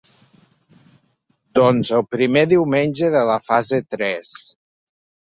Doncs el primer diumenge de la fase tres.